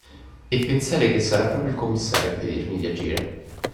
E pensare che sarà proprio il commissario a impedirmi di agire!